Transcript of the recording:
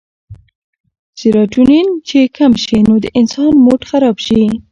سيراټونين چې کم شي نو د انسان موډ خراب شي